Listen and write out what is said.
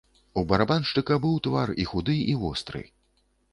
У барабаншчыка быў твар і худы і востры.